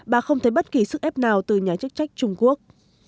bà không thấy bất kỳ sức ép nào từ nhà chức trách trung quốc